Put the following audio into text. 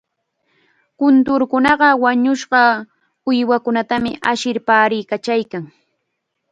Kunturqa wañushqa uywakunata ashir paariykachaykan.